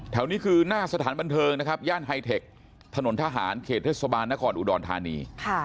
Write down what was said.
นี้คือหน้าสถานบันเทิงนะครับย่านไฮเทคถนนทหารเขตเทศบาลนครอุดรธานี